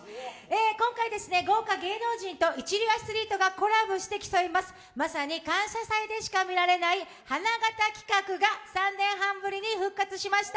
今回豪華芸能人と一流アスリートがコラボして競います、まさに「感謝祭」でしか見られない花形企画が３年半ぶりに復活しました。